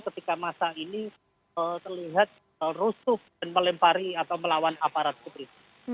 ketika masa ini terlihat rusuk dan melempari atau melawan aparat seperti itu